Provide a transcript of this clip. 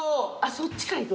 そっちからいく。